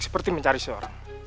seperti mencari seorang